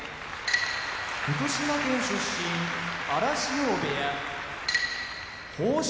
福島県出身荒汐部屋豊昇